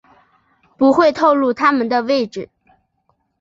不会透漏他们的位置